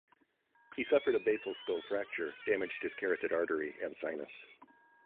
He suffered a basal skull fracture, damaged his carotid artery and sinus.